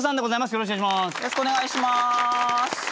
よろしくお願いします。